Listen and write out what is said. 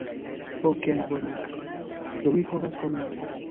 Okej bone, do mi povas komenci